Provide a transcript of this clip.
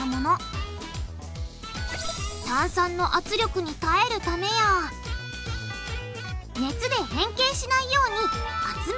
炭酸の圧力に耐えるためや熱で変形しないように厚めにできている。